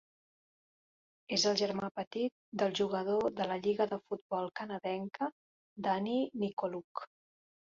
És el germà petit del jugador de la Lliga de Futbol Canadenca Danny Nykoluk.